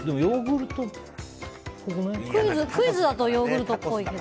クイズだとヨーグルトっぽいけど。